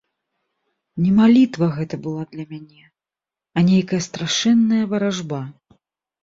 Не малітва гэта была для мяне, а нейкая страшэнная варажба.